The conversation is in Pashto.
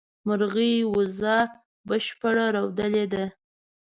مرغومي، وزه بشپړه رودلې ده